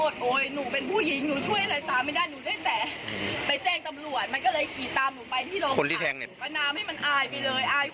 ตอนนั้นนานแล้วแล้วเขาก็ไปรักษาที่โรงพยาบาล